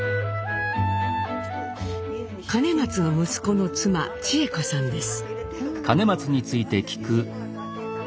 兼松の息子の妻千恵子さんです。